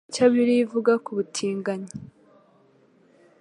ICYO BIBILIYA IVUGA kubutinganyi